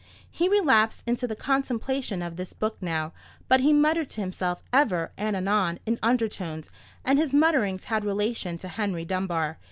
He relapsed into the contemplation of this book now; but he muttered to himself ever and anon in undertones, and his mutterings had relation to Henry Dunbar.